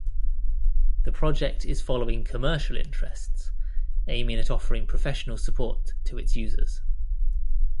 The project is following commercial interests, aiming at offering professional support to its users.